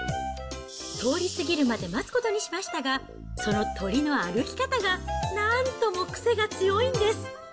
通り過ぎるまで待つことにしましたが、その鳥の歩き方がなんとも癖が強いんです。